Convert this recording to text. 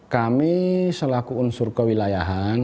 kami selaku unsur kewilayahan